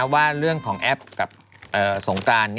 ว่าเรื่องของแอปกับสงกราน